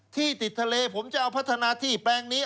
ที่ติดทะเลผมจะเอาพัฒนาที่แปลงนี้